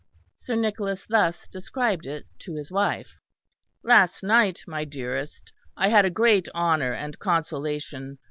Sir Nicholas thus described it to his wife. "Last night, my dearest, I had a great honour and consolation.